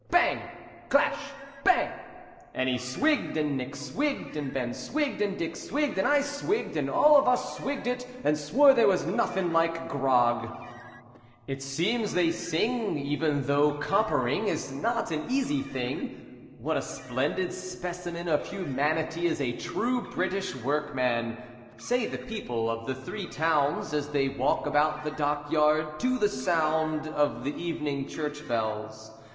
Bang! Clash! Bang! "And he swigg'd, and Nick swigg'd, And Ben swigg'd, and Dick swigg'd, And I swigg'd, and all of us swigg'd it, And swore there was nothing like grog." It seems they sing, Even though coppering is not an easy thing. What a splendid specimen of humanity is a true British workman, Say the people of the Three Towns, As they walk about the dockyard To the sound of the evening church bells.